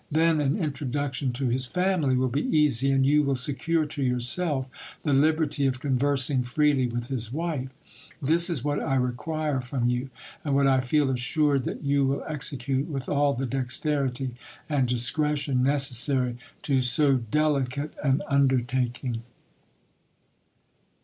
Then an introduction to his family will be easy ; and you will secure to yourself the liberty of conversing freely with his wife. This is what I require from you, and what I feel assured that you will execute with all the dexterity and discretion necessary to so delicate an undertaking.